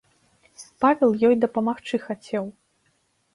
Павел ёй дапамагчы хацеў.